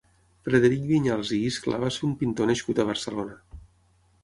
Frederic Viñals i Iscla va ser un pintor nascut a Barcelona.